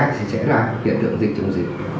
thì sẽ là hiện tượng dịch chống dịch